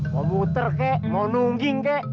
mau muter kek mau nungging kek